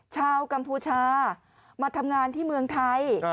ชาวกัมพูชามาทำงานที่เมืองไทย